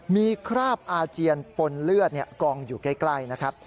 มีคราบอาเจียนปนเลือดกองอยู่ใกล้นะครับ